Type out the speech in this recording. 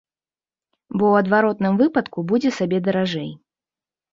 Бо ў адваротным выпадку будзе сабе даражэй.